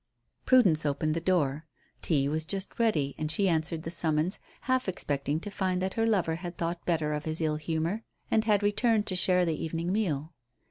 Prudence opened the door. Tea was just ready; and she answered the summons, half expecting to find that her lover had thought better of his ill humour and had returned to share the evening meal.